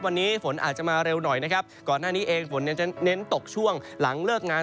วันนี้ฝนอาจจะมาเร็วหน่อยนะครับก่อนหน้านี้เองฝนเนี่ยจะเน้นตกช่วงหลังเลิกงาน